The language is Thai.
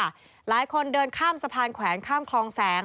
หลายคนเดินข้ามสะพานแขวงข้ามคลองแสง